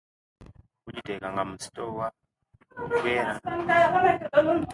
Ojiteka nga musitowa okitegera